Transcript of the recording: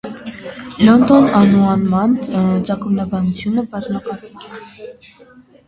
Լոնտոն անուանման ծագումնաբանութիւնը բազմակարծիք է։